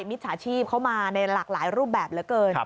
มิจฉาชีพเข้ามาในหลากหลายรูปแบบเหลือเกิน